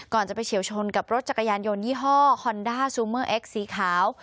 จะไปเฉียวชนกับรถจักรยานยนต์ยี่ห้อฮอนด้าซูเมอร์เอ็กซสีขาว